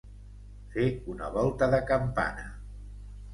Fer una volta de campana.